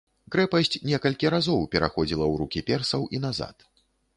Крэпасць некалькі разоў пераходзіла ў рукі персаў і назад.